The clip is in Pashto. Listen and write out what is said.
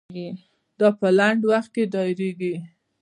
دا په لنډ وخت کې دایریږي.